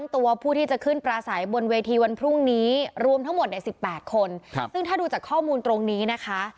ตัวผู้ที่จะขึ้นปลาใสบนเวทีวันพรุ่งนี้รวมทั้งหมดเนี่ย๑๘คนซึ่งถ้าดูจากข้อมูลตรงนี้นะคะ